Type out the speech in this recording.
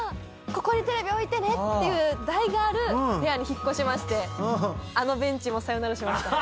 ここにテレビ置いてねっていう台がある部屋に引っ越しましてあのベンチもさよならしました。